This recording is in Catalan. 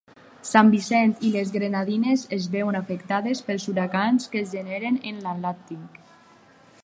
San Vincent i les Grenadines es veuen afectades pels huracans que es generen en l'Atlàntic.